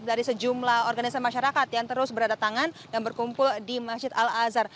dari sejumlah organisasi masyarakat yang terus berdatangan dan berkumpul di masjid al azhar